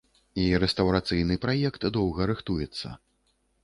І рэстаўрацыйны праект доўга рыхтуецца.